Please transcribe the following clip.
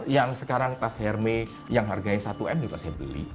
yang sekarang pas herme yang harganya satu m juga saya beli